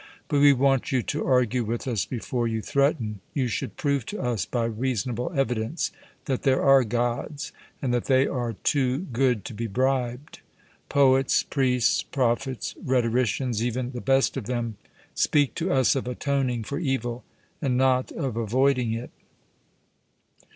But we want you to argue with us before you threaten; you should prove to us by reasonable evidence that there are Gods, and that they are too good to be bribed. Poets, priests, prophets, rhetoricians, even the best of them, speak to us of atoning for evil, and not of avoiding it.